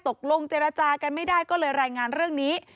ตกลงเจรจากันไม่ได้ก็เลยรายงานเรื่องนี้